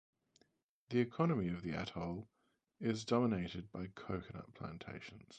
The economy of the atoll is dominated by coconut plantations.